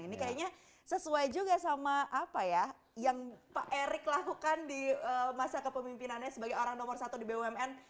ini kayaknya sesuai juga sama apa ya yang pak erick lakukan di masa kepemimpinannya sebagai orang nomor satu di bumn